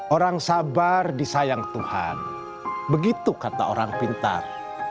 orang sabar disayang tuhan begitu kata orang pintar